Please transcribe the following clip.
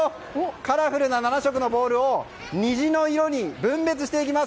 カラフルな７色のボールを虹の色に分列していきます。